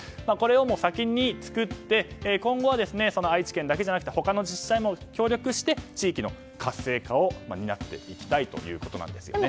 これを先に作って今後は愛知県だけじゃなくて他の自治体も協力して地域の活性化を担っていきたいということです。